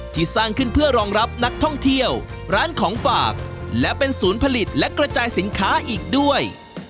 สร้างขึ้นเพื่อรองรับนักท่องเที่ยวร้านของฝากและเป็นศูนย์ผลิตและกระจายสินค้าอีกด้วย